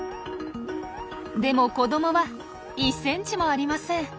でも子どもは１ｃｍもありません。